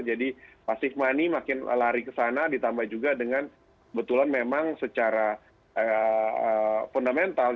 jadi pasif money makin lari ke sana ditambah juga dengan betulan memang secara fundamental